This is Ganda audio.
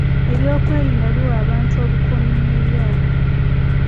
Ebyokwerinda biwa abantu obukuumi n'ebyabwe.